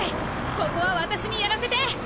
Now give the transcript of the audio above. ここは私にやらせて！